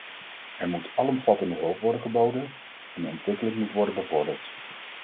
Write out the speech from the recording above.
Er moet alomvattende hulp worden geboden, en ontwikkeling moet worden bevorderd.